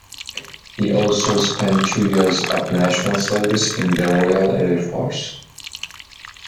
He also spent two years of National Service in the Royal Air Force.